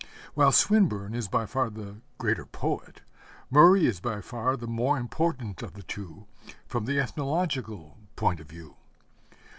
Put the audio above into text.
While Swinburne is by far the greater poet, Murray is by far the more important of the two from the ethnological point of view.